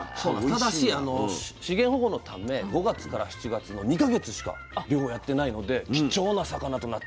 ただし資源保護のため５月から７月の２か月しか漁やってないので貴重な魚となっております。